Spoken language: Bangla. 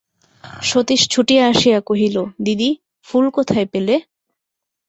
সতীশ ছুটিয়া আসিয়া কহিল, দিদি, ফুল কোথায় পেলে?